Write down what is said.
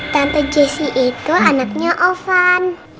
tante jessi itu anaknya ovan